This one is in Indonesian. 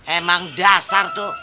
emang dasar tuh